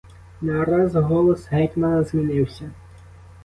Нараз голос гетьмана змінився.